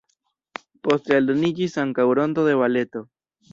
Poste aldoniĝis ankaŭ rondo de baleto.